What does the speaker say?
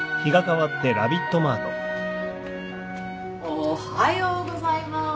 おはようございます。